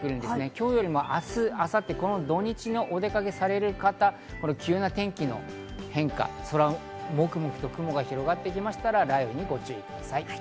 今日よりも明日・明後日、この土日のお出かけされる方、急な天気の変化、もくもくと雲が広がってきましたら雷雨にご注意ください。